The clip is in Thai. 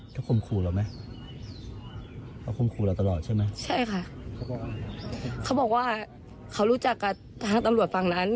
ใช่ค่ะเขาบอกว่าเขารู้จักกับทางตำรวจฝั่งนั้น